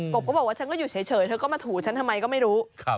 บก็บอกว่าฉันก็อยู่เฉยเธอก็มาถูฉันทำไมก็ไม่รู้